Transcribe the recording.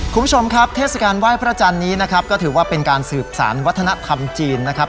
คุณผู้ชมครับเทศกาลไหว้พระจันทร์นี้นะครับก็ถือว่าเป็นการสืบสารวัฒนธรรมจีนนะครับ